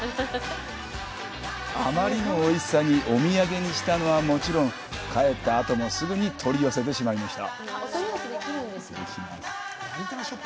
あまりのおいしさにお土産にしたのはもちろん、帰った後もすぐに取り寄せてしまいました。